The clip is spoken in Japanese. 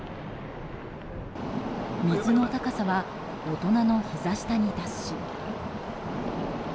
水の高さは大人のひざ下に達し。